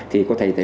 thì có thể